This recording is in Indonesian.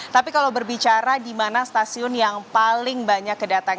tapi kalau berbicara di mana stasiun yang paling banyak kedatangan